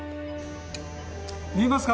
見えますか？